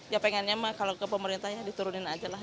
ya pengennya mah kalau ke pemerintah ya diturunin aja lah